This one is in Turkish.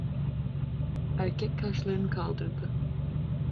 Erkek kaşlarını kaldırdı.